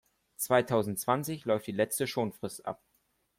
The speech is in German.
Zweitausendzwanzig läuft die letzte Schonfrist ab.